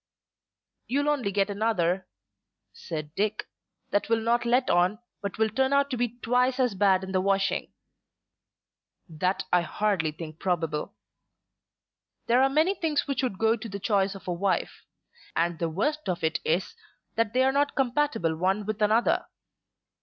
"You'll only get another," said Dick, "that will not let on, but will turn out to be twice as bad in the washing." "That I hardly think probable. There are many things which go to the choice of a wife, and the worst of it is that they are not compatible one with another.